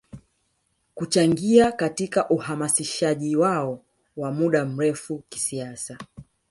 Kuchangia katika uhamasishaji wao wa muda mrefu kisiasa